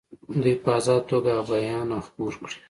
دوی په آزاده توګه هغه بیان او خپور کړي.